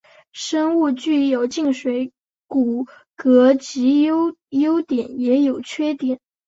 生物具有静水骨骼既有优点也有缺点。